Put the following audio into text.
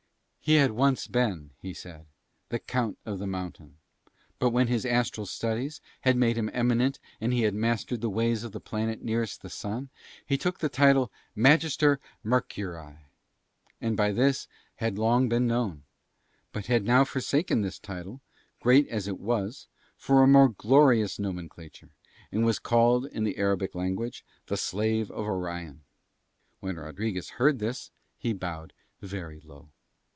He had been once, he said, the Count of the Mountain, but when his astral studies had made him eminent and he had mastered the ways of the planet nearest the sun he took the title Magister Mercurii, and by this had long been known; but had now forsaken this title, great as it was, for a more glorious nomenclature, and was called in the Arabic language the Slave of Orion. When Rodriguez heard this he bowed very low.